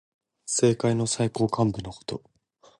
政界の最高幹部のこと。